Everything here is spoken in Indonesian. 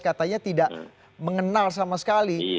katanya tidak mengenal sama sekali